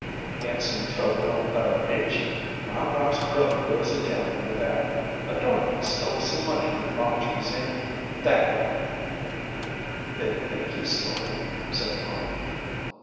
"Had some trouble up thar, didn't ye? My wife's brother was a tellin' me about it. A darkey stole some money an' watches, an' that like." "They think he stole them," said Tom.